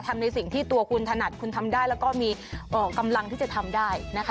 ในสิ่งที่ตัวคุณถนัดคุณทำได้แล้วก็มีกำลังที่จะทำได้นะคะ